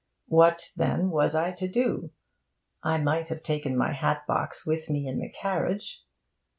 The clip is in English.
What, then, was I to do? I might have taken my hat box with me in the carriage?